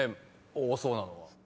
多そうなのが。